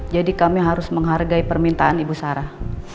jadi kami harus menghargai permintaan ibu sarah